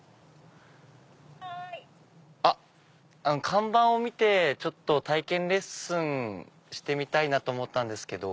看板を見て体験レッスンしてみたいなと思ったんですけど。